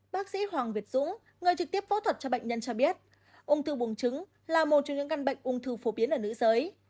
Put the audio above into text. bác sĩ hoàng việt dũng người trực tiếp phẫu thuật cho bệnh nhân cho biết ung thư buồng trứng là một trong những căn bệnh ung thư phổ biến ở nữ giới